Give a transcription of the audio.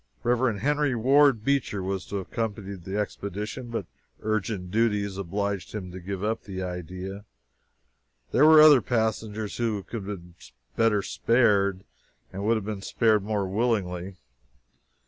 Reverend Henry Ward Beecher was to have accompanied the expedition, but urgent duties obliged him to give up the idea. There were other passengers who could have been spared better and would have been spared more willingly.